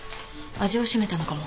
味をしめたのかも。